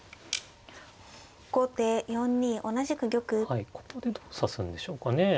はいここでどう指すんでしょうかね。